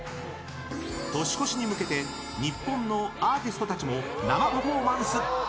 年越しに向けて日本のアーティストたちも生パフォーマンス！